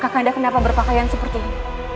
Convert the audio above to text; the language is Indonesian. kakanda kenapa berpakaian seperti ini